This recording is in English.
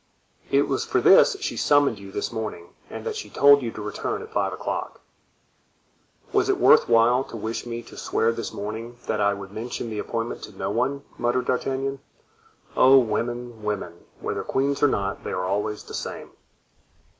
"It was for this she summoned you this morning and that she told you to return at five o'clock." "Was it worth while to wish me to swear this morning that I would mention the appointment to no one?" muttered D'Artagnan. "Oh, women! women! whether queens or not, they are always the same."